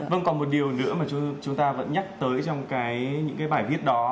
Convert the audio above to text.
vâng còn một điều nữa mà chúng ta vẫn nhắc tới trong những cái bài viết đó